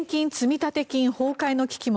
立金崩壊の危機も。